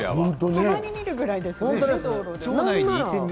たまに見るぐらいですね。